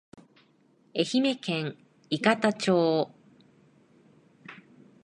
愛媛県伊方町